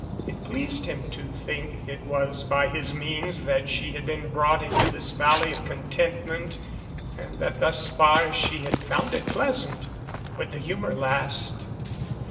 It pleased him to think it was by his means that she had been brought into his valley of contentment and that thus far she had found it pleasant. Would the humor last?